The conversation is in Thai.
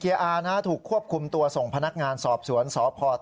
๑เกียร์อาร์นะครับถูกควบคุมตัวส่งพนักงานสอบสวนสอบพอร์ต